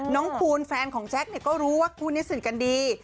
คูณแฟนของแจ๊คก็รู้ว่าคู่นี้สนิทกันดี